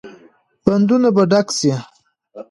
بندونه به ډک شي؟